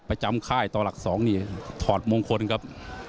ประจำข้ายต่อหลัก๒นี่ถอดมงคลครับ